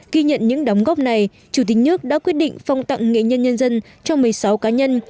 khi nhận những đóng góp này chủ tịch nước đã quyết định phong tặng nghệ nhân nhân dân cho một mươi sáu cá nhân